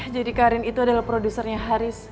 jadi karim itu adalah produsernya haris